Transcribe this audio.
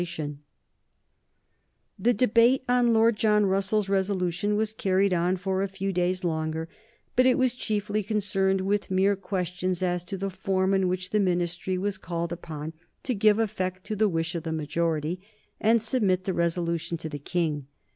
[Sidenote: 1835 Melbourne and Brougham] The debate on Lord John Russell's resolution was carried on for a few days longer, but it was chiefly concerned with mere questions as to the form in which the Ministry were called upon to give effect to the wish of the majority, and submit the resolution to the King.